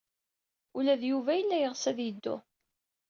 Ula d Yuba yella yeɣs ad yeddu.